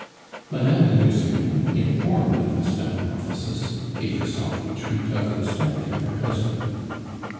Madame de Nucingen, informed of this metamorphosis, gave herself the treat of inspecting her husband.